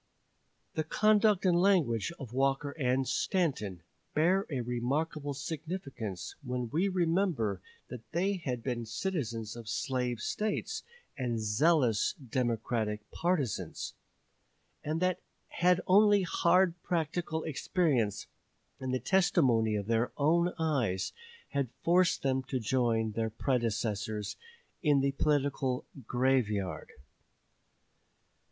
" The conduct and the language of Walker and Stanton bear a remarkable significance when we remember that they had been citizens of slave States and zealous Democratic partisans, and that only hard practical experience and the testimony of their own eyes had forced them to join their predecessors in the political "graveyard."